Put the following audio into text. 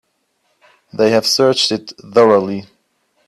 They have searched it thoroughly.